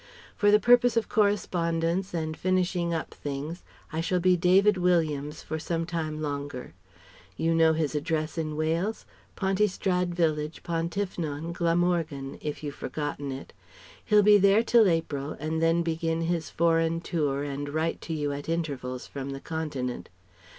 For the purpose of correspondence and finishing up things, I shall be 'David Williams' for some time longer. You know his address in Wales? Pontystrad Vicarage, Pontyffynon, Glamorgan, if you've forgotten it. He'll be there till April, and then begin his foreign tour and write to you at intervals from the Continent.